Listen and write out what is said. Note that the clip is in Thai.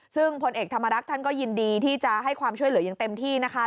ซึ่งพลเอกธรรมรักษ์ท่านก็ยินดีที่จะให้ความช่วยเหลืออย่างเต็มที่นะคะ